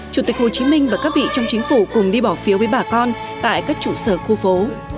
chủ tịch hồ chí minh và các vị trong chính phủ cùng đi bỏ phiếu với bà con tại các chủ sở khu phố